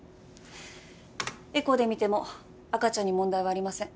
エコーで見ても赤ちゃんに問題はありません